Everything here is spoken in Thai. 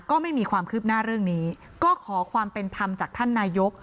ก็ไม่มีความคืบหน้าเรื่องนี้ก็ขอความเป็นธรรมจากท่านนายก